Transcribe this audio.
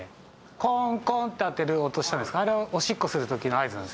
コォンコォンと当てる音したんですがあれはおしっこするときの合図なんですよ。